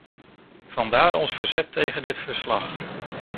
Vandaar ons verzet tegen dit verslag.